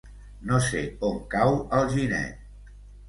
No sé on cau Alginet.